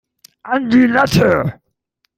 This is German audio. An die Latte!